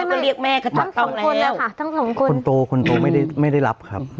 ทั้งสองคนค่ะทั้งสองคนคนโตคนโตไม่ได้ไม่ได้รับครับ